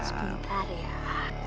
ternyata vasuki tanpa penofruct about